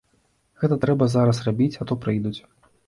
Гэта трэба зараз рабіць, а то прыйдуць.